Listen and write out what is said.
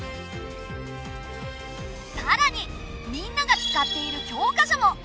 さらにみんなが使っている教科書も！